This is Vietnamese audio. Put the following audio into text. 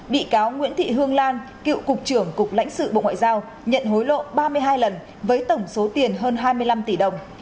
bị cáo nguyễn thị hương lan cựu cục trưởng cục lãnh sự bộ ngoại giao nhận hối lộ ba mươi hai lần với tổng số tiền hơn hai mươi năm tỷ đồng